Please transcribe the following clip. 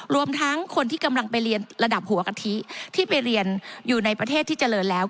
รวมทั้งคนที่กำลังไปเรียนระดับหัวกะทิที่ไปเรียนอยู่ในประเทศที่เจริญแล้ว